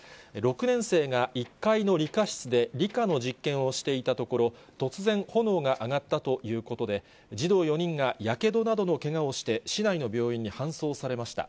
６年生が１階の理科室で理科の実験をしていたところ、突然、炎が上がったということで、児童４人がやけどなどのけがをして、市内の病院に搬送されました。